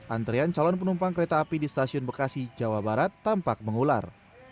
antrean calon penumpang kereta api di stasiun bekasi jawa barat tampak mengular